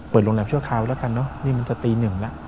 โรงแรมชั่วคราวแล้วกันเนอะนี่มันจะตีหนึ่งแล้ว